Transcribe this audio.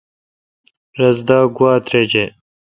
رس دا گوا ترجہ ۔